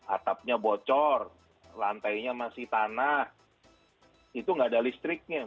atapnya bocor lantainya masih tanah itu nggak ada listriknya